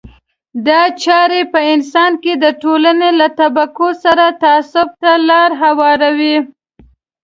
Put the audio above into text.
دا چاره په انسان کې د ټولنې له طبقو سره تعصب ته لار هواروي.